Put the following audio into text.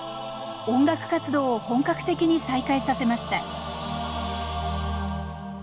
音楽活動を本格的に再開させました